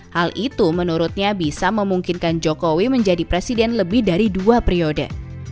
hal itu menurutnya bisa memungkinkan jokowi menjadi presiden lebih dari dua periode